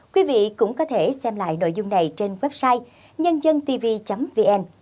quý vị cũng có thể xem lại nội dung này trên website nhân dân tv vn